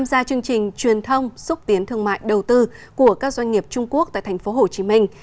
tham gia chương trình truyền thông xúc tiến thương mại đầu tư của các doanh nghiệp trung quốc tại thành phố hồ chí minh